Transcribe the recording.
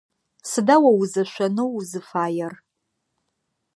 Сыда о узэшъонэу узыфаер?